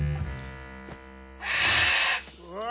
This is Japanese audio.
うわ！